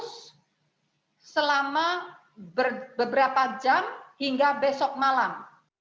selama beberapa jam hingga besok malam